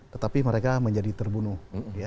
tetapi mereka menjadi terbunuh